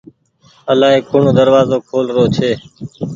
الآئي ڪوڻ دروآزو کول رو ڇي۔